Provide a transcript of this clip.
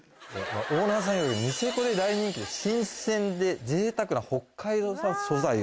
オーナーさんよりニセコで大人気新鮮でぜいたくな。